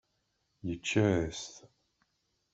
Yečča-as-t.